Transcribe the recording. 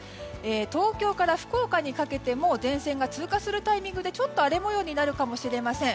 東京から福岡にかけても前線が通過するタイミングでちょっと荒れ模様になるかもしれません。